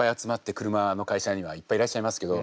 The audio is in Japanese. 車の会社にはいっぱいいらっしゃいますけど。